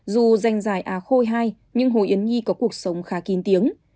dù danh dài a khôi hai nhưng hồ yến nhi có cuộc sống khá kín tiếng